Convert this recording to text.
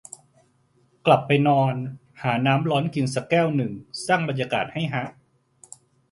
กลับไปนอน หาน้ำร้อนกินสักแก้วนึง สร้างบรรยากาศให้ฮะ